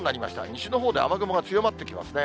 西のほうで雨雲が強まってきますね。